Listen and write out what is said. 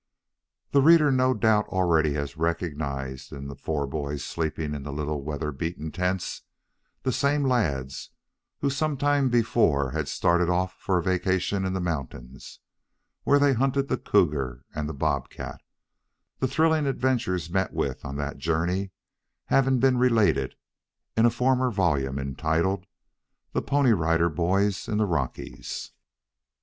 The reader no doubt already has recognized in the four boys sleeping in the little weather beaten tents the same lads who some time before had started off for a vacation in the mountains where they hunted the cougar and the bobcat, the thrilling adventures met with on that journey having been related in a former volume entitled, "THE PONY RIDER BOYS IN THE ROCKIES."